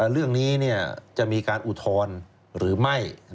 เรื่องนี้จะมีการอุทธรณ์หรือไม่